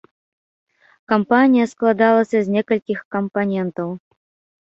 Кампанія складалася з некалькіх кампанентаў.